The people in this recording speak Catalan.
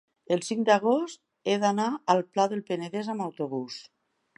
el cinc d'agost he d'anar al Pla del Penedès amb autobús.